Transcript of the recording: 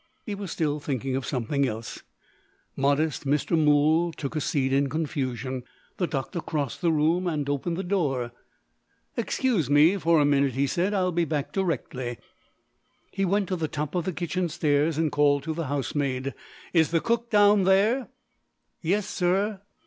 He was still thinking of something else. Modest Mr. Mool took a seat in confusion. The doctor crossed the room, and opened the door. "Excuse me for a minute," he said. "I will be back directly." He went to the top of the kitchen stairs, and called to the housemaid. "Is the cook down there?" "Yes, sir."